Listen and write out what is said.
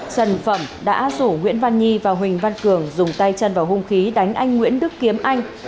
trần phẩm đã rủ nguyễn văn nhi và huỳnh văn cường dùng tay chân vào hung khí đánh anh nguyễn đức kiếm anh